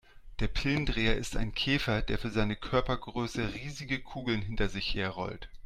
Der Pillendreher ist ein Käfer, der für seine Körpergröße riesige Kugeln hinter sich her rollt.